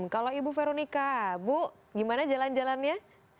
kalau ibu veronica bu gimana jalan jalannya